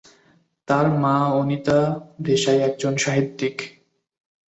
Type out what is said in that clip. তার মা অনিতা দেশাই একজন সাহিত্যিক।